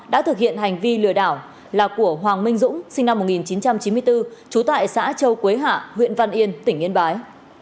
đã thực hiện hành vi lừa đảo là của hoàng minh dũng sinh năm một nghìn chín trăm chín mươi bốn trú tại xã châu quế hạ huyện văn yên tỉnh yên bái